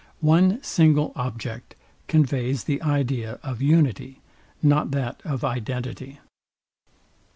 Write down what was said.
One single object conveys the idea of unity, not that of identity.